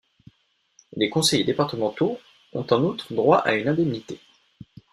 Les conseillers départementaux ont en outre droit à une indemnité.